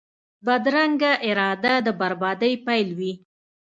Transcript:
بدرنګه اراده د بربادۍ پیل وي